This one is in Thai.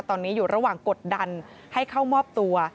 ตอนนี้อยู่ระหว่างกดดันให้เข้ามอบตัว